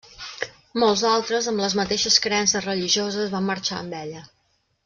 Molts altres amb les mateixes creences religioses van marxar amb ella.